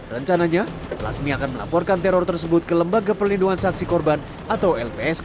rencananya lasmi akan melaporkan teror tersebut ke lembaga perlindungan saksi korban atau lpsk